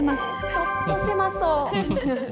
ちょっと狭そう。